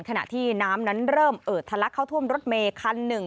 ขณะที่น้ำนั้นเริ่มเอิดทะลักเข้าท่วมรถเมย์คันหนึ่ง